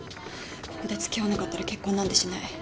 ここで付き合わなかったら結婚なんてしない。